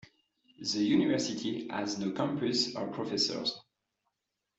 The university has no campus or professors.